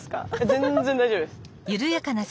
全然大丈夫です。